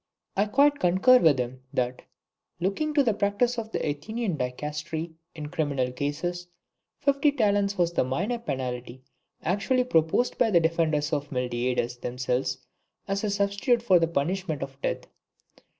I quite concur with him that, "looking to the practice of the Athenian dicastery in criminal cases, fifty talents was the minor penalty actually proposed by the defenders of Miltiades themselves as a substitute for the punishment of death.